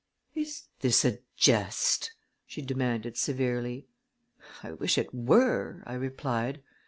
"Is this a jest?" she demanded severely. "I wish it were," I replied.